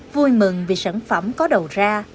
vui mừng vì sản phẩm có đầu ra